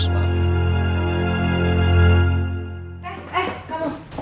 eh eh kamu